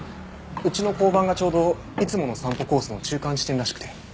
うちの交番がちょうどいつもの散歩コースの中間地点らしくて。